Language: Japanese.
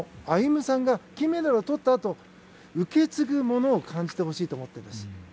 歩夢さんが金メダルをとったあと受け継ぐものを感じてほしいと思うんです。